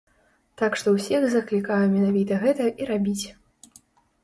Так што ўсіх заклікаю менавіта гэта і рабіць.